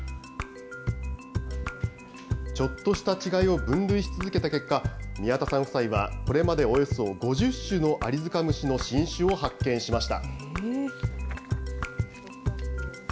ちょっとした違いを分類し続けた結果、宮田さん夫妻は、これまでおよそ５０種のアリヅカムシの新種を発見しました。